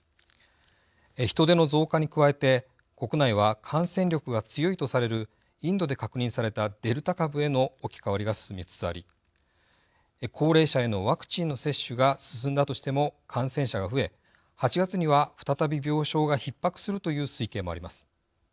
人出の増加に加えて国内は感染力が強いとされるインドで確認されたデルタ株への置き換わりが進みつつあり高齢者へのワクチンの接種が進んだとしても感染者が増え８月には再び病床がひっ迫するという推計もあります。